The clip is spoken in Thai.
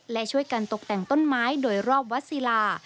และช่วยกันตกแต่งต้นไม้โดยรอบวัดศิลา